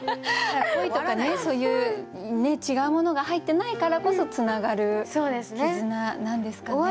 恋とかねそういう違うものが入ってないからこそつながる絆なんですかね。